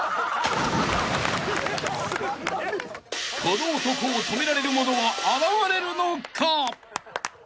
［この男を止められる者は現れるのか？］